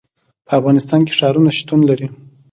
په افغانستان کې ښارونه شتون لري.